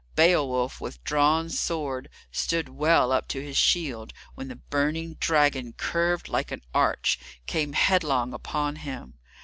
Beowulf, with drawn sword, stood well up to his shield, when the burning dragon, curved like an arch, came headlong upon him.